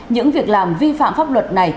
những việc làm vi phạm pháp luật này